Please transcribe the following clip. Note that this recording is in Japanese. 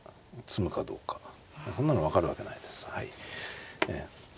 こんなの分かるわけないです。